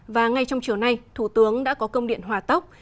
và ngay trong chiều nay thủ tướng đã có công điện hòa tốc